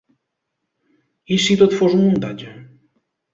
I si tot fos un muntatge?